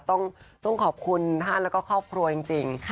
ต้องขอบคุณท่านแล้วก็ครอบครัวจริง